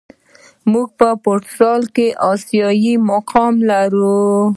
موږ په فوسال کې آسیايي مقام لرو.